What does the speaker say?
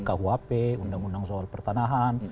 kuhp undang undang soal pertanahan